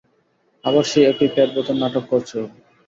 আবার সেই একই পেটব্যথার নাটক করছে ও।